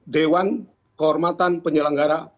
dewan kehormatan penyelenggara